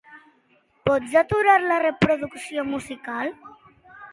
Pots aturar la reproducció musical?